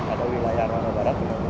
atau wilayah armada barat